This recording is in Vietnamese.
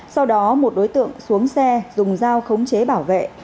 sau đó một đối tượng xuống xe dùng dao khống chế bảo vệ